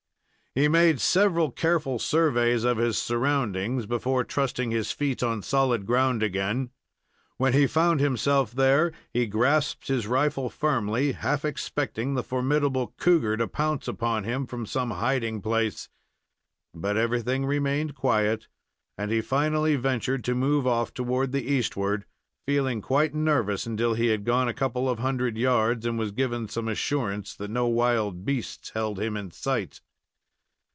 He made several careful surveys of his surroundings before trusting his feet on solid ground again. When he found himself there he grasped his rifle firmly, half expecting the formidable cougar to pounce upon him from some hiding place; but everything remained quiet, and he finally ventured to move off toward the eastward, feeling quite nervous until he had gone a couple of hundred yards, and was given some assurance that no wild beasts held him in sight.